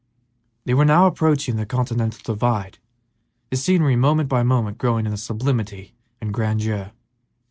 They were now approaching the continental divide, the scenery moment by moment growing in sublimity and grandeur.